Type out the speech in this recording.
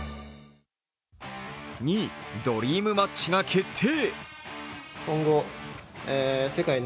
２位、ドリームマッチが決定。